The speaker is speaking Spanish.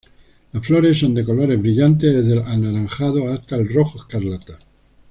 Las flores son de colores brillantes, desde al anaranjado hasta el rojo escarlata.